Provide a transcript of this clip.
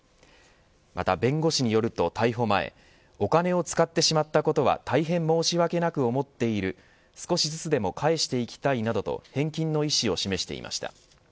また弁護士によると逮捕前お金を使ってしまったことは大変申し訳なく思っている少しずつでも返していきたいなどと返金の意思を示していました。